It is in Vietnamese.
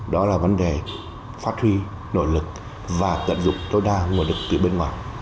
đó là vấn đề phát huy nội lực và tận dụng tối đa nguồn lực từ bên ngoài